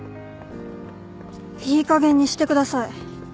いいかげんにしてください。